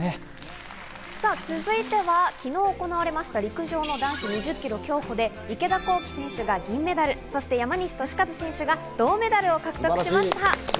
続いては、昨日行われました陸上の男子２０ｋｍ競歩で池田向希選手が銀メダル、山西利和選手が銅メダルを獲得しました。